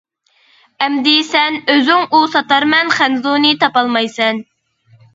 ئەمدى سەن ئۆزۈڭ ئۇ ساتارمەن خەنزۇنى تاپالمايسەن.